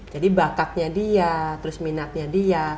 jadi bakatnya dia terus minatnya dia